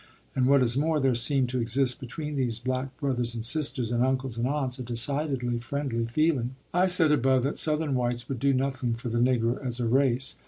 And what is more, there seemed to exist between these black brothers and sisters and uncles and aunts a decidedly friendly feeling. I said above that Southern whites would do nothing for the Negro as a race.